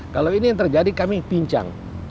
kalau ini yang terjadi kami pincang